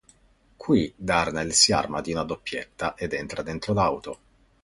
Qui Darnell si arma di una doppietta ed entra dentro l'auto.